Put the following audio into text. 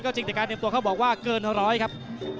ก็จินแต่การเดิมตัวเขาบอกว่าเกิน๑๐๐ครับ